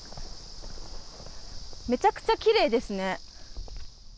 めちゃくちゃきれいですね。